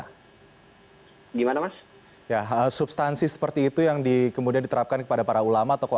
hai gimana mas ya hal substansi seperti itu yang di kemudian diterapkan kepada para ulama toko